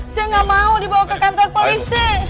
saya nggak mau dibawa ke kantor polisi